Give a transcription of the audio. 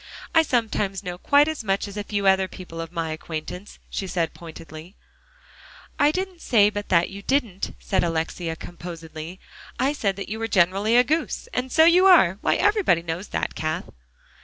"I sometimes know quite as much as a few other people of my acquaintance," she said pointedly. "I didn't say but that you did," said Alexia composedly. "I said you were generally a goose. And so you are. Why, everybody knows that, Cath."